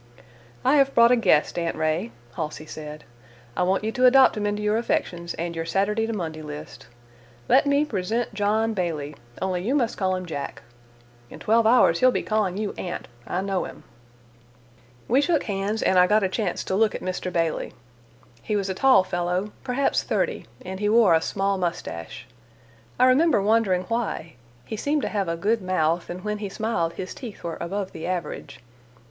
"I have brought a guest, Aunt Ray," Halsey said. "I want you to adopt him into your affections and your Saturday to Monday list. Let me present John Bailey, only you must call him Jack. In twelve hours he'll be calling you 'Aunt': I know him." We shook hands, and I got a chance to look at Mr. Bailey; he was a tall fellow, perhaps thirty, and he wore a small mustache. I remember wondering why: he seemed to have a good mouth and when he smiled his teeth were above the average.